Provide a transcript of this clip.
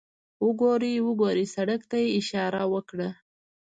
وګورئ، وګورئ، سړک ته یې اشاره وکړه.